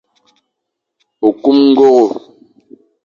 Okum ongoro.